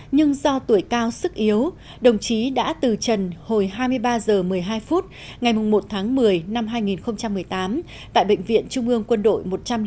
nhưng do tuổi cao sức yếu đồng chí đã từ trần hồi hai mươi ba h một mươi hai phút ngày một tháng một mươi năm hai nghìn một mươi tám tại bệnh viện trung ương quân đội một trăm linh tám